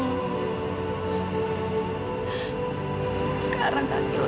nanti gue akan berterima kasih sama lo